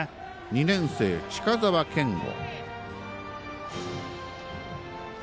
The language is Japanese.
２年生、近澤賢虎。